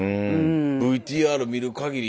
ＶＴＲ見るかぎり